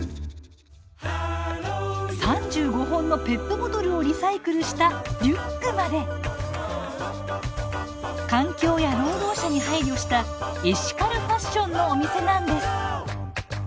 ３５本のペットボトルをリサイクルしたリュックまで環境や労働者に配慮したエシカルファッションのお店なんです。